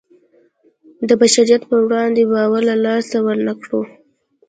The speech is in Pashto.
د بشریت په وړاندې باور له لاسه ورنکړو.